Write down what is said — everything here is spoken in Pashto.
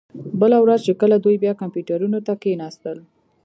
بله ورځ کله چې دوی بیا کمپیوټرونو ته کښیناستل